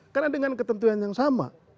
karena dengan ketentuan yang sama